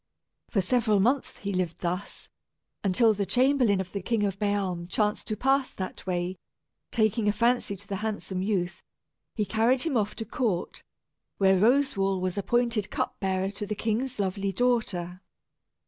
For several months he lived thus, until the chamberlain of the King of Bealm chanced to pass that way. Taking a fancy to the handsome youth, he carried him off to court, where Roswal was appointed cup bearer to the king's lovely daughter.